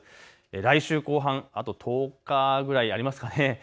来週後半、あと１０日ぐらいありますね。